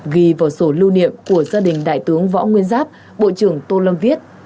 ghi vào sổ lưu niệm của gia đình đại tướng võ nguyên giáp bộ trưởng tô lâm viết